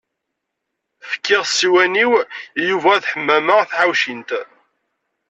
Fkiɣ ssiwan-iw i Yuba d Ḥemmama Taḥawcint.